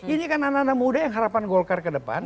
ini kan anak anak muda yang harapan golkar ke depan